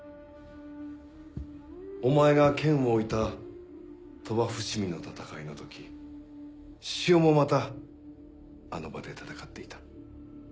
お前が剣を置いた鳥羽伏見の戦いの時志々雄もまたあの場で戦っていた。